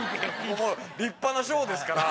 立派な賞ですから